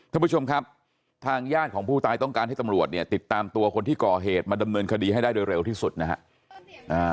ท่านผู้ชมครับทางญาติของผู้ตายต้องการให้ตำรวจเนี่ยติดตามตัวคนที่ก่อเหตุมาดำเนินคดีให้ได้โดยเร็วที่สุดนะฮะ